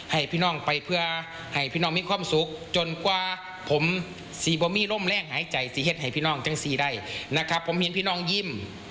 ให้พี่น้องจังสีได้นะครับผมเห็นพี่น้องยิ่ม